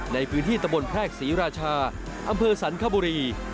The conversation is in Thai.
ในพื้นที่ตะบนแพรกศรีราชาอำเภอสันคบุรี